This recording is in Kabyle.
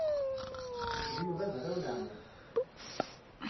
Nekk d Yuba d arraw n leɛmum.